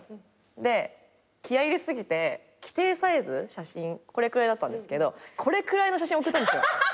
で気合入れすぎて規定サイズ写真これくらいだったんですけどこれくらいの写真送ったんですよ。